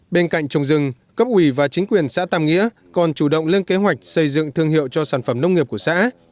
bên cạnh trồng rừng cấp ủy và chính quyền xã tam nghĩa còn chủ động lên kế hoạch xây dựng thương hiệu cho sản phẩm nông nghiệp của xã